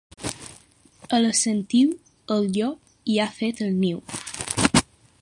A la Sentiu, el llop hi ha fet el niu.